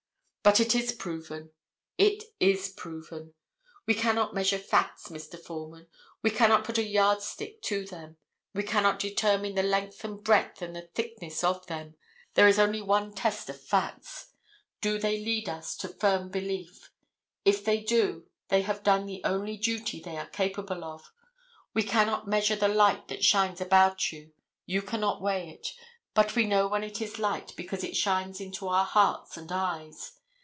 But it is proven; it is proven. We cannot measure facts, Mr. Foreman. We cannot put a yardstick to them. We cannot determine the length and breadth and the thickness of them. There is only one test of facts. Do they lead us to firm belief? if they do they have done the only duty they are capable of. You cannot measure the light that shines about you; you cannot weigh it, but we know when it is light because it shines into our hearts and eyes.